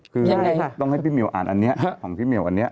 คือยังไงต้องให้พี่หมิวอ่านอันนี้ของพี่หมิวอันนี้